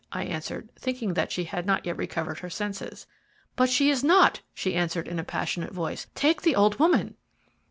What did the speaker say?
I answered, thinking that she had not yet recovered her senses. "But she is not!" she answered, in a passionate voice. "Take the old woman."